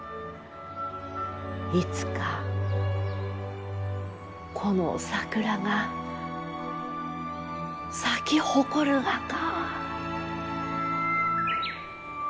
いつかこの桜が咲き誇るがか。